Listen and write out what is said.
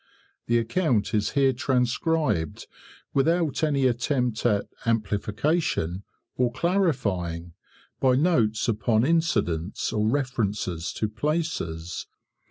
The account is here transcribed without any attempt at "amplification", or "clarifying" by notes upon incidents or references to places.